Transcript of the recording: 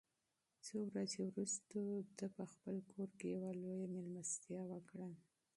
څو ورځې وروسته ده په خپل کور کې یوه لویه مېلمستیا وکړه.